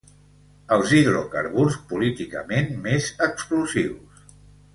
Els hidrocarburs políticament més explosius.